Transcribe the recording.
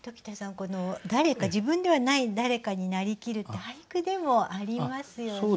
この誰か自分ではない誰かになりきるって俳句でもありますよね。